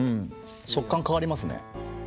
食感変わりますね。